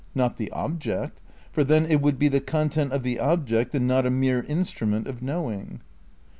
Not the object, for then it would be the content of the ob ject and not a mere instrument of knowing.